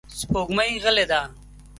سپوږمۍ غلې ده.